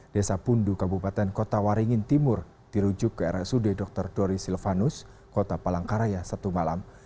desa pundu kabupaten kota waringin timur dirujuk ke rsud dr dori silvanus kota palangkaraya satu malam